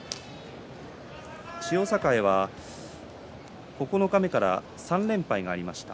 千代栄は九日目から３連敗がありました。